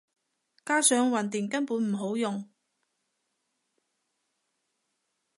加上混電根本唔好用